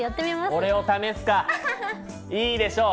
俺を試すかいいでしょう。